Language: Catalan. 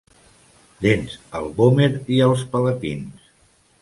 Dents al vòmer i als palatins.